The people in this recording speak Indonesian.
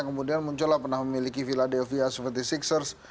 kemudian muncul lah pernah memiliki philadelphia tujuh puluh enam ers